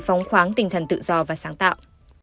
phong khoáng tinh thần tự do và sáng tạo